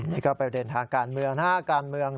นี่ก็เป็นเด่นทางการเมือง๕การเมือง